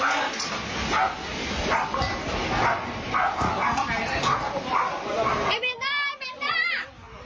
ไอ้แจ๊ะไอ้เบนด้าไอ้แจ๊ะไอ้เบนด้า